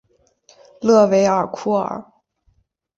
勒韦尔库尔。